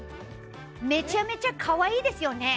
めちゃめちゃかわいいですよね。